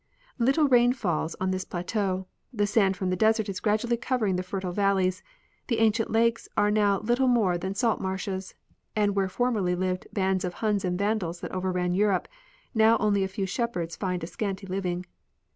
Little rain falls on this plateau, the sand from the desert is gradually covering the fertile valleys, the ancient lakes are now little more than salt marshes, and Avhere formerly lived bands of Huns and Van dals that overran Europe, now only a few shepherds find a scanty living.